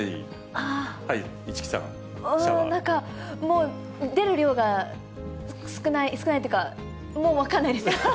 なんか、出る量が少ない、少ないっていうか、もう分からないです。